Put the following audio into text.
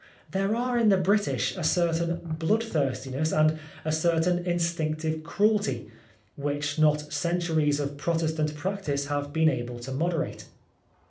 There are in the British a certain bloodthirstiness and a certain in stinctive cruelty, which not centuries of 218 Oscar Wilde Protestant practice have been able to moderate.